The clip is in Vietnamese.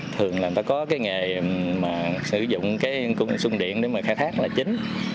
thường là người ta có cái nghề mà sử dụng cái công an xung điện để mà khai thác là chính